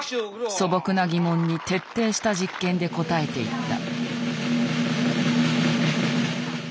素朴な疑問に徹底した実験で答えていった。